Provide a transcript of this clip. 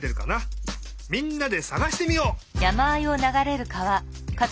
みんなでさがしてみよう！